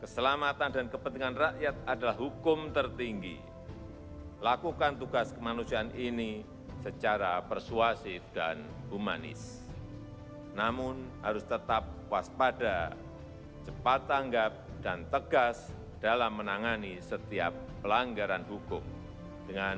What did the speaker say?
serta menjawab strategis yang menentukan